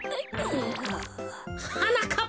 はなかっ